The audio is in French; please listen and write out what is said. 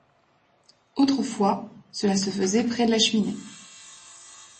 Autrefois, cela se faisait près de la cheminée.